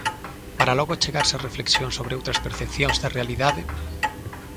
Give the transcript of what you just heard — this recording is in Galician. Para logo achegarse á reflexión sobre outras percepcións da realidade.